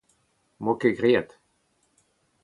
Ne’m boa ket graet.